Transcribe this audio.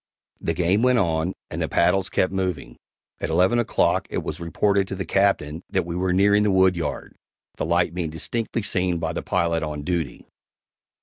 The game went on, and the paddles kept moving. At eleven o'clock it was reported to the Captain that we were nearing the woodyard, the light being distinctly seen by the pilot on duty.